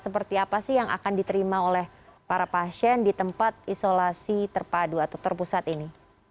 seperti apa sih yang akan diterima oleh para pasien di tempat isolasi terpadu atau terpusat ini